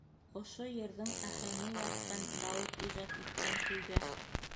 Ошо йырҙың аһәңе ятҡан Дауыт ижад иткән көйгә.